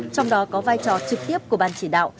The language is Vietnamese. trong đó có vai trò trực tiếp của ban chỉ đạo